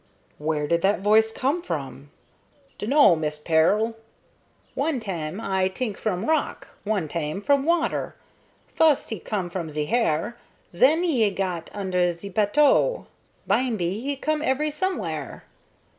"Where did that voice come from?" "Dunno, Mist Pearl. One tam I t'ink from rock, one tam from water. Fust he come from ze hair, zen he gat under ze bateau. Bimeby he come every somewhere.